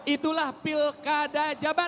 itulah pilkada jabar